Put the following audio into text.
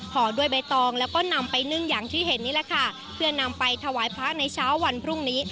ห่อด้วยใบตองแล้วก็นำไปนึ่งอย่างที่เห็นนี่แหละค่ะเพื่อนำไปถวายพระในเช้าวันพรุ่งนี้